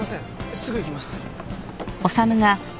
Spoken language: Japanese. すぐ行きます。